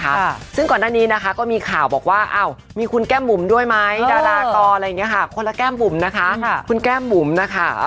ข้างหลังในนี้เรามีข่าวบ่ะว่ามีใครมาต่อเนั่งแก้มบุ๋มได้ไม่คะ